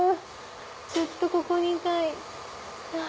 ずっとここにいたい。